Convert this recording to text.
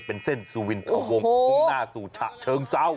เป็นเส้นสุวินตะวงหน้าสุชะเชิงเศร้า